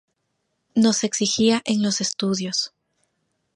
Nos exigía en los estudios.